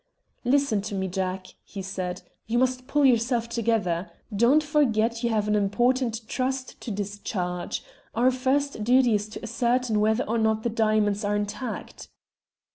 "Listen to me, Jack," he said. "You must pull yourself together. Don't forget you have an important trust to discharge. Our first duty is to ascertain whether or not the diamonds are intact."